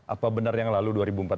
apa benar yang lalu dua ribu empat belas